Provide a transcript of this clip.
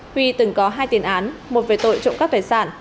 huy từng có hai tiền án một về tội trộm cắp tài sản